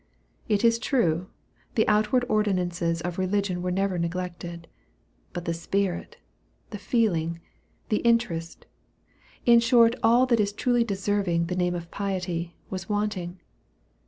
It is true, the outward ordinances of religion were never neglected; but the spirit, the feeling, the interest, in short all that is truly deserving the name of piety, was wanting.